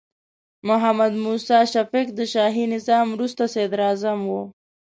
محمد موسی شفیق د شاهي نظام وروستې صدراعظم و.